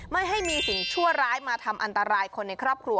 ไม่ให้มีสิ่งชั่วร้ายมาทำอันตรายคนในครอบครัว